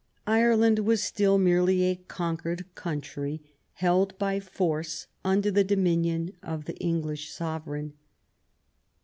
Ireland was still merely a conquered country, held by force under the dominion of the English sovereign.